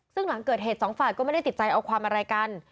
ซึ่งหลังเกิดเหตุสองฝ่ายก็ไม่ได้ติดใจเอาความอะไรกัน